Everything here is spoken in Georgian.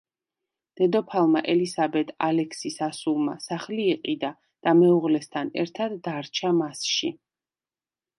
დედოფალმა ელისაბედ ალექსის ასულმა სახლი იყიდა და მეუღლესთან ერთად დარჩა მასში.